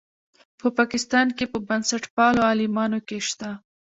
په پاکستان په بنسټپالو عالمانو کې شته.